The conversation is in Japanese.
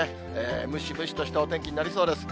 ムシムシとしたお天気になりそうです。